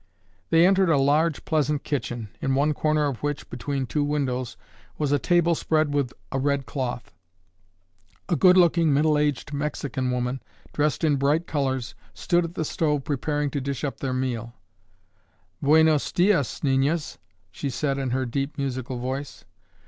They entered a large, pleasant kitchen, in one corner of which, between two windows, was a table spread with a red cloth. A good looking middle aged Mexican woman, dressed in bright colors, stood at the stove preparing to dish up their meal. "Buenos dias, niñas," she said in her deep, musical voice.